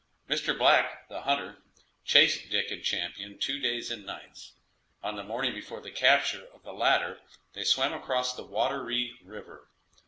Mr. Black, the hunter, chased Dick and Champion two days and nights; on the morning before the capture of the latter they swam across the Water ree river.